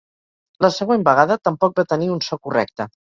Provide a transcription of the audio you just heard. La següent vegada tampoc va tenir un so correcte.